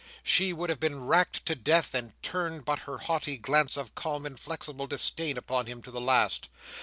She would have been racked to death, and turned but her haughty glance of calm inflexible disdain upon him, to the last.